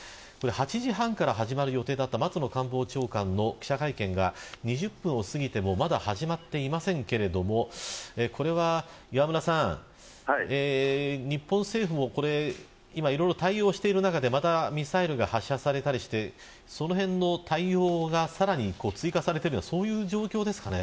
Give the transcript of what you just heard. ８時半から始まる予定だった松野官房長官の記者会見が２０分を過ぎてもまだ始まっていませんがこれは、日本政府もいろいろ対応している中でミサイルが発射されたりしてそのあたりの対応がさらに追加されているという状況ですかね。